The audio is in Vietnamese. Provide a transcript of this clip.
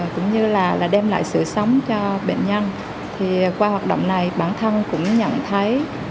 cũng như là đem lại sự sống cho bệnh nhân thì qua hoạt động này bản thân cũng nhận thấy